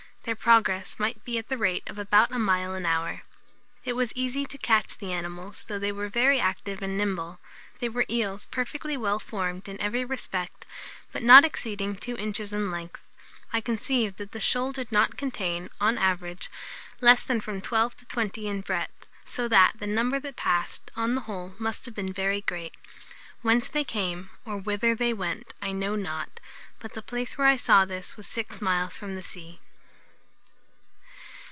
Their progress might be at the rate of about a mile an hour. It was easy to catch the animals, though they were very active and nimble. They were eels perfectly well formed in every respect, but not exceeding two inches in length. I conceive that the shoal did not contain, on an average, less than from twelve to twenty in breadth; so that the number that passed, on the whole, must have been very great. Whence they came or whither they went, I know not; but the place where I saw this, was six miles from the sea."